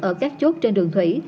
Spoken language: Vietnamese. ở các chốt trên đường thủy